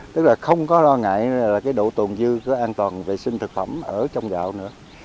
tức là không có lo ngại là cái độ tồn dư của an toàn vệ sinh thực phẩm ở trong gạo nữa